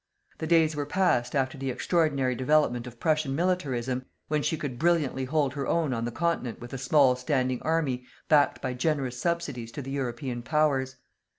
The days were passed, after the extraordinary development of Prussian militarism, when she could brilliantly hold her own on the continent with a small standing army backed by generous subsidies to the European powers.